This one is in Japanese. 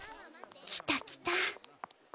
来た来た。